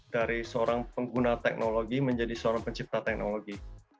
dari seorang pengguna teknologi menjadi seorang pencipta teknologi